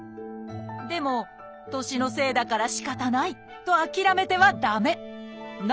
でも年のせいだからしかたないと諦めては駄目。